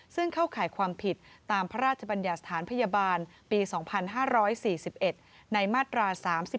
ซึ่งเข้าข่ายความผิดตามพระราชบัญญัติสถานพยาบาลปี๒๕๔๑ในมาตรา๓๔